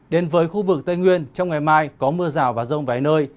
đến với khu vực tây nguyên trong ngày mai có mưa rào và rông vài nơi